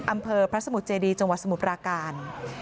อำเภอพระสมุทรเจดีจังหวัดสมุทรปราการ